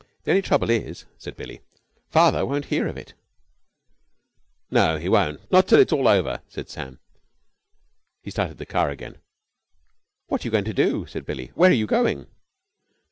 "The only trouble is," said Billie, "father won't hear of it." "No, he won't. Not till it is all over," said Sam. He started the car again. "What are you going to do?" said Billie. "Where are you going?"